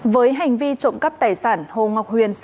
với hành vi trộm cắp tài sản hồ ngọc huyền